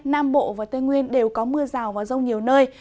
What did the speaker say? nam bộ và tây nguyên đều có mưa rào và rông nhiều nơi